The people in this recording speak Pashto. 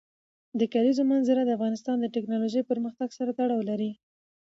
د کلیزو منظره د افغانستان د تکنالوژۍ پرمختګ سره تړاو لري.